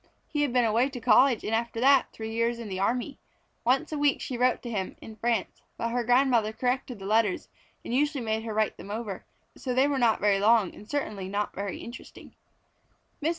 He had been away to college and after that, three years in the army. Once a week she wrote to him, in France; but her grandmother corrected the letters and usually made her write them over, so they were not very long and certainly were not interesting. Mrs.